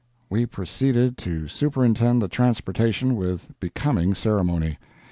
we proceeded to superintend the transportation with becoming ceremony.